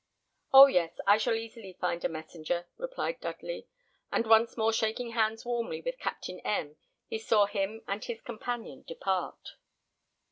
"Oh! yes; I shall easily find a messenger," replied Dudley; and once more shaking hands warmly with Captain M , he saw him and his companion depart.